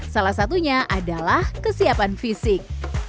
salah satunya adalah kesiapan fisik